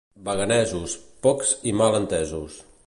Baganesos, pocs i mal entesos.